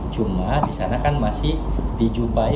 cuma di sana kan masih dijumpai